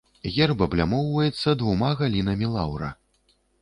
Герб аблямоўваецца двума галінамі лаўра.